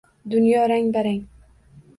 Dunyo — rang-barang.